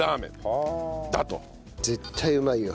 絶対うまいよ。